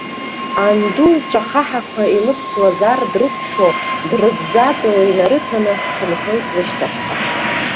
Анду лҵәахаҳақәа илывсуаз ар дрыкәшо, дрызӡатәуа инарыҭаны дхынҳәуеит лышьҭахьҟа.